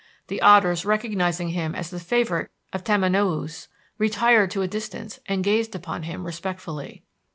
The otters, recognizing him as the favorite of Tamanoüs, retired to a distance and gazed upon him respectfully.